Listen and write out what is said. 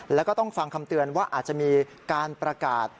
แล้วก็ต้องฟังคำเตือนว่าอาจจะมีการประกาศ